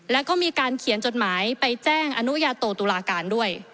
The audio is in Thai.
แล้วก็มีการเขียนจดหมายไปแจ้งอนุญาโตตุลาการด้วย